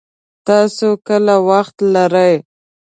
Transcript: تاسو کله وخت لري